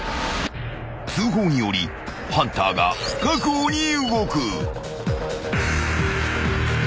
［通報によりハンターが確保に動く］